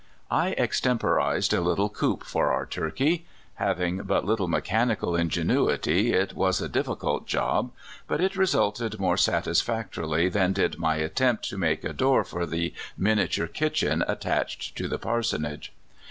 I extemporized a little coop for our turkey. Having but little mechanical ingenuity, it was a difficult job, but it resulted more satisfactority than did my attempt to make a door for the miniature kitchen attached to the parsonage.